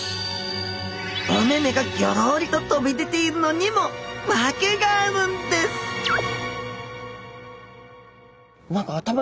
お目目がぎょろりと飛び出ているのにも訳があるんです